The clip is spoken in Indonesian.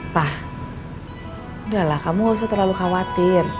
pak udahlah kamu gak usah terlalu khawatir